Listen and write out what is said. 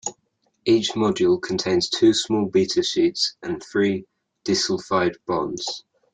Each module contains two small beta sheets and three disulfide bonds.